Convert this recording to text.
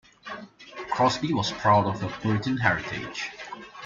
Crosby was proud of her Puritan heritage.